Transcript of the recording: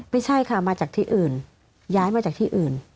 ไม่ใช่ค่ะมาจากที่อื่นย้ายมาจากที่อื่น